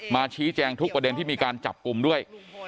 ชี้แจงทุกประเด็นที่มีการจับกลุ่มด้วย